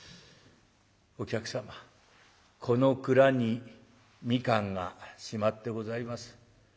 お客様この蔵に蜜柑がしまってございます。